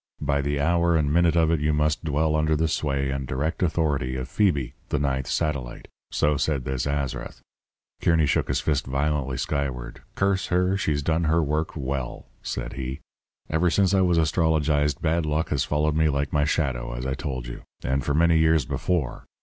By the hour and minute of it you must dwell under the sway and direct authority of Phoebe, the ninth satellite." So said this Azrath.' Kearny shook his fist violently skyward. 'Curse her, she's done her work well,' said he. 'Ever since I was astrologized, bad luck has followed me like my shadow, as I told you. And for many years before.